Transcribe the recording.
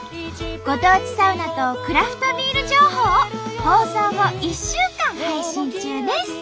ご当地サウナとクラフトビール情報を放送後１週間配信中です。